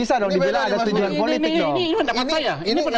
ini betida nih itu meledakkan saya